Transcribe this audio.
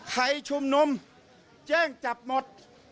ใครชุมนุมแจ้งจับหมด